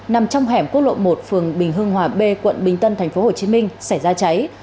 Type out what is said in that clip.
nằm trong hẻm quốc lộ một phường bình hưng hòa b quận bình tân tp hcm xảy ra cháy